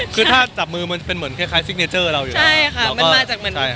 คือถ้าจับมือมันเป็นเหมือนคลิกสิ่งเพอเงี้ยแยเจอเราอยู่แล้วก็